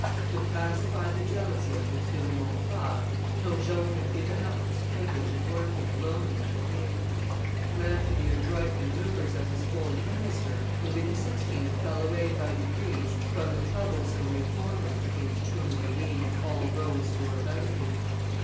To pacify the jealousy of M. de Maurepas, Turgot had given up his privilege of working alone with the king. Left to the adroit manoeuvres of his old minister, Louis XVI. fell away by degrees from the troublesome reformer against whom were leagued all those who were about him.